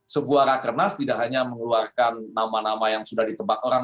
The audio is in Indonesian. sebuah rakernas tidak hanya mengeluarkan nama nama yang sudah ditebak orang